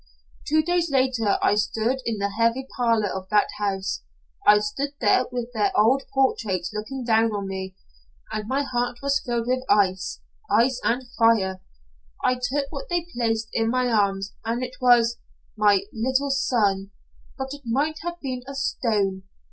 "Two days later I stood in the heavy parlor of that house, I stood there with their old portraits looking down on me, and my heart was filled with ice ice and fire. I took what they placed in my arms, and it was my little son, but it might have been a stone.